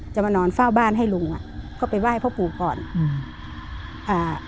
มานอนเฝ้าบ้านให้ลุงอ่ะก็ไปไหว้พ่อปู่ก่อนอืมอ่า